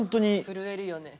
震えるよね。